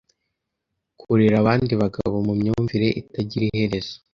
kurera abandi bagabo mu myumvire itagira iherezo